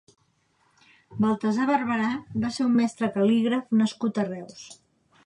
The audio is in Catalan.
Baltasar Barberà va ser un mestre cal•lígraf nascut a Reus.